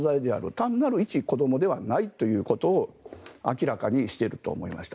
単なる一子どもではないということを明らかにしていると思いました。